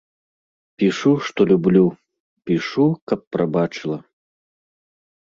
Пішу, што люблю, пішу, каб прабачыла.